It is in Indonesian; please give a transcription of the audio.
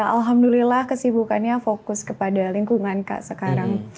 alhamdulillah kesibukannya fokus kepada lingkungan kak sekarang